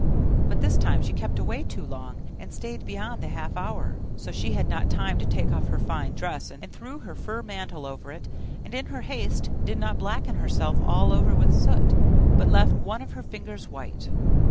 But this time she kept away too long, and stayed beyond the half hour; so she had not time to take off her fine dress, and threw her fur mantle over it, and in her haste did not blacken herself all over with soot, but left one of her fingers white.